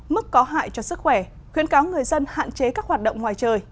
mức có hại cho sức khỏe khuyến cáo người dân hạn chế các hoạt động ngoài trời